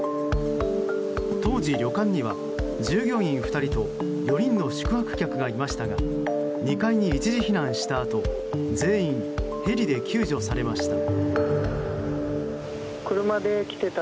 当時、旅館には従業員２人と４人の宿泊客がいましたが２階に一時避難したあと全員ヘリで救助されました。